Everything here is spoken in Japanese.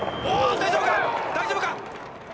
大丈夫か？